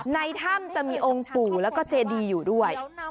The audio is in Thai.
ในถ้ำจะมีองค์ปู่แล้วก็เจดีอยู่ด้วย